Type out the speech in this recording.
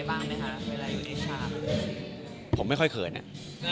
ว่างั้นผมไม่ค่อยเขลาเนี้ย